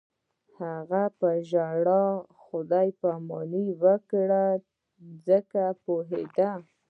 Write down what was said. هغې په ژړا خدای پاماني وکړه ځکه پوهېده